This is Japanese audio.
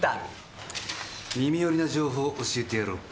耳寄りな情報教えてやろうか？